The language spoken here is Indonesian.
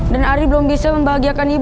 dan ari belum bisa membahagiakan ibu